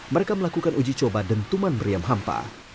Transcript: mereka melakukan uji coba dentuman meriam hampa